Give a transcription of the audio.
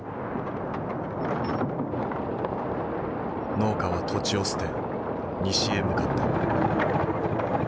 農家は土地を捨て西へ向かった。